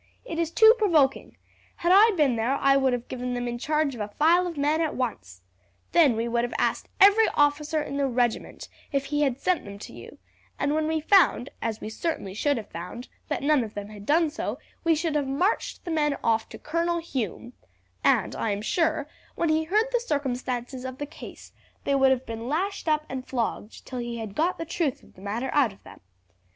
It is too provoking. Had I been there I would have given them in charge of a file of men at once. Then we would have asked every officer in the regiment if he had sent them to you, and when we found, as we certainly should have found, that none of them had done so, we should have marched the men off to Colonel Hume, and I am sure, when he heard the circumstances of the case, they would have been lashed up and flogged till he had got the truth of the matter out of them.